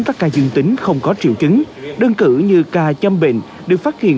tất cả dương tính không có triệu chứng đơn cử như ca chăm bệnh được phát hiện